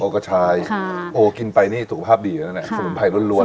กระชายโอ้กินไปนี่สุขภาพดีนะสมุนไพรร้อนเลย